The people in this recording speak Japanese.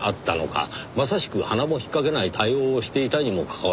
まさしく洟も引っ掛けない対応をしていたにもかかわらず。